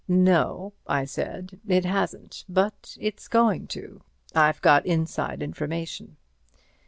"No," I said, "it hasn't, but it's going to. I've got inside information."